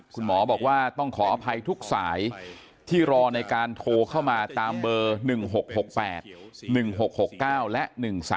คุณหมอบอกว่าต้องขออภัยทุกสายที่รอในการโทรเข้ามาตามเบอร์๑๖๖๘๑๖๖๙และ๑๓